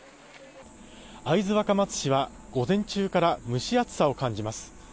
会津若松市は午前中から蒸し暑さを感じます。